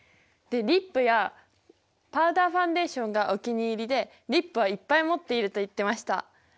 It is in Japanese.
でリップやパウダーファンデーションがお気に入りでリップはいっぱい持っていると言ってました。